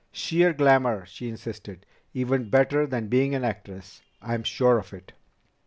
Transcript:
"Sheer glamour," she insisted. "Even better than being an actress. I'm sure of it."